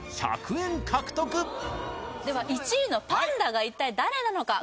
１００円獲得では１位のパンダが一体誰なのか？